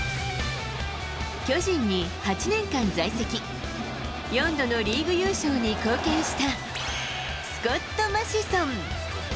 巨人に８年間在籍、４度のリーグ優勝に貢献した、スコット・マシソン。